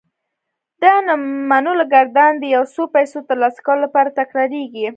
د نه منلو ګردان د يو څو پيسو ترلاسه کولو لپاره تکرارېږي.